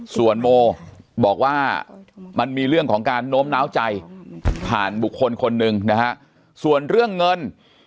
ส่วนโมบอกว่ามันมีเรื่องของการโน้มน้าวใจผ่านบุคคลคนหนึ่งนะฮะส่วนเรื่องเงิน